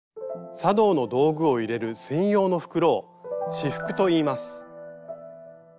茶道の道具を入れる専用の袋を「仕覆」といいます。